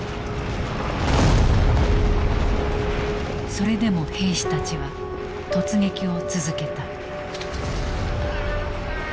それでも兵士たちは突撃を続けた。